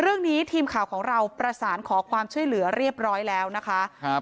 เรื่องนี้ทีมข่าวของเราประสานขอความช่วยเหลือเรียบร้อยแล้วนะคะครับ